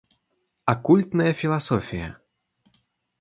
Оккультная философия.